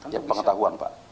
ya pengetahuan pak